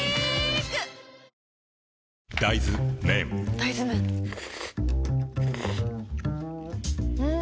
大豆麺ん？